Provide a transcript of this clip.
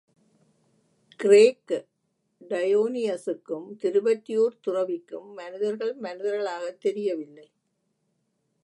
கிரேக்க டயோனியசுக்கும் திருவொற்றியூர்த் துறவிக்கும் மனிதர்கள் மனிதர்களாகத் தெரியவில்லை.